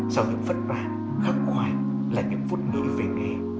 sau những vất vả khắc khoải là những phút mới về nghề